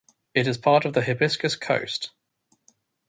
It is part of the Hibiscus Coast.